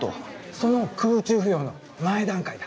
その空中浮揚の前段階だ。